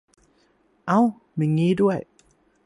เอ้า มีงี้ด้วย